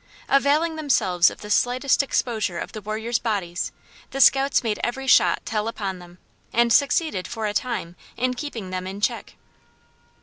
Availing themselves of the slightest exposure of the warriors bodies, the scouts made every shot tell upon them, and succeeded for a time in keeping them in check.